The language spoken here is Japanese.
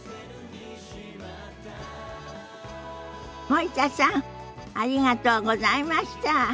森田さんありがとうございました。